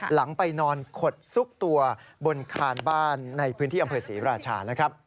หลังไปนอนขดซุกตัวบนคานบ้านในพื้นที่อำเภอศรีราชานะครับ